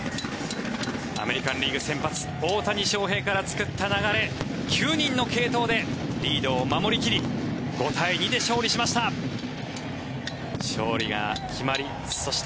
アメリカン・リーグ先発大谷翔平から作った流れ９人の継投でリードを守り切り５対２で勝利しました。